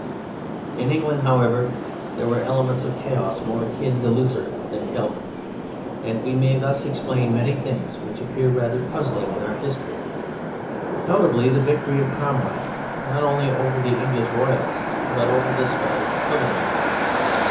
In England, however, there were elements of chaos more akin to Luther than to Calvin. And we may thus explain many things which appear rather puzzling in our history, notably the victory of Cromwell not only over the English Royalists but over the Scotch Covenanters.